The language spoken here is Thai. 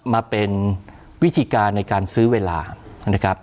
มาเป็นวิธีการในการซื้อเวลานะครับ